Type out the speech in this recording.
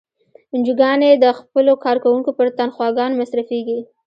انجوګانې د خپلو کارکوونکو پر تنخواګانو مصرفیږي.